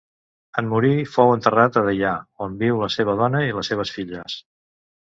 En morir fou enterrat a Deià, on viu la seva dona i les seves filles.